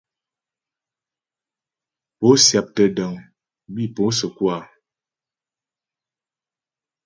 Pó syáptə́ dəŋ bi pó səkú a ?